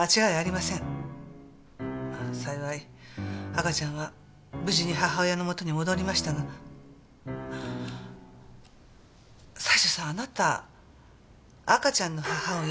まあ幸い赤ちゃんは無事に母親の元に戻りましたがあ西条さんあなた赤ちゃんの母親